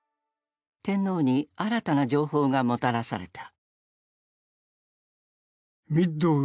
天皇に新たな情報がもたらされた。